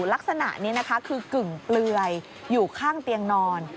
ลักษณะนี้นะคะคือกึ่งเปลือยอยู่ข้างเตียงนอน